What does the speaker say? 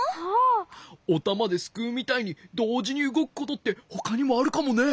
おたまですくうみたいにどうじにうごくことってほかにもあるかもね。